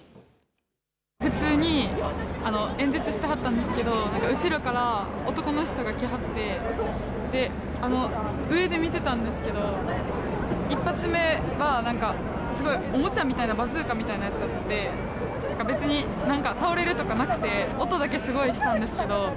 普通に演説していたんですが後ろから男の人が来て上で見ていたんですが１発目はおもちゃみたいなバズーカーみたいなやつで別に倒れるとかなくて音だけ、すごいしたんですけど。